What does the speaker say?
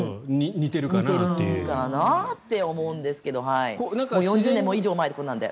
似ているかな？って思うんですけど４０年以上前のことなので。